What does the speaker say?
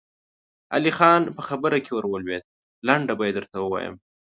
علی خان په خبره کې ور ولوېد: لنډه به يې درته ووايم.